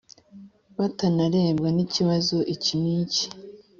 batanarebwa n ikibazo iki n iki